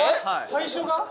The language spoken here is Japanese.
最初が。